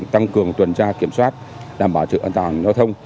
tăng cường tuần tra kiểm soát đảm bảo sự an toàn giao thông